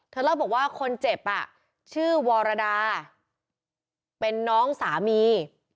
เล่าบอกว่าคนเจ็บชื่อวรดาเป็นน้องสามี